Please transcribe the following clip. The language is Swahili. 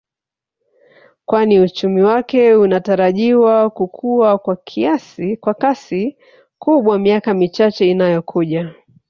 Kwani uchumi wake unatarajiwa kukua kwa kasi kubwa miaka michache inayo kuja